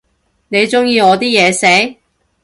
你鍾意我啲嘢食？